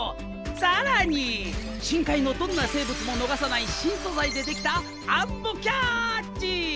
更に深海のどんな生物も逃さない新素材でできたアンモキャッチ！